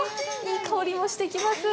いい香りもしてきます。